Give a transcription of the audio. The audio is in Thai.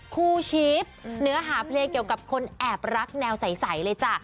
คู่ชีพเนื้อหาเพลงเกี่ยวกับคนแอบรักแนวใสเลยจ้ะ